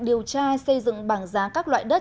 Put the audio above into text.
điều tra xây dựng bảng giá các loại đất